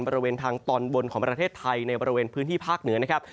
บริเวณทางตอนบนของประเทศไทยในบริเวณพื้นที่ภาคเหนือนะครับ